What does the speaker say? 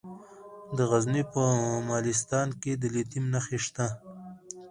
د غزني په مالستان کې د لیتیم نښې شته.